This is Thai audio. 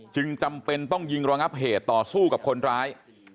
จำเป็นต้องยิงระงับเหตุต่อสู้กับคนร้าย